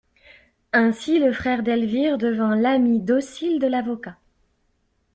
Ainsi, le frère d'Elvire devint l'ami docile de l'avocat.